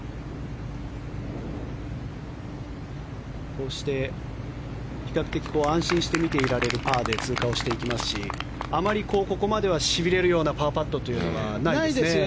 こうして比較的安心して見ていられるパーで通過をしていきますしあまりここまではしびれるようなパーパットというのはないですよね。